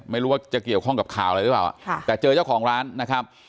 ไม่รู้ว่าจะเกี่ยวข้องกับข่าวอะไรหรือเปล่าแต่เจอเจ้าของร้านนะครับ